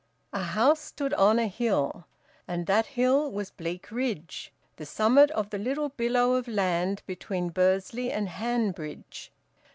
A house stood on a hill. And that hill was Bleakridge, the summit of the little billow of land between Bursley and Hanbridge.